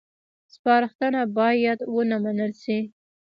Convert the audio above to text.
سپارښتنه باید ونه منل شي